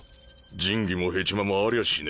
仁義もヘチマもありゃしねえ。